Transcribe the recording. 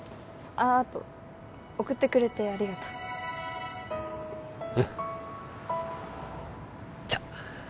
あと送ってくれてありがとううんじゃっ